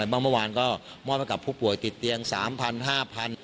เมื่อวานก็มอบให้กับผู้ป่วยติดเตียง๓๐๐๕๐๐บาท